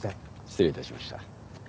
失礼いたしました。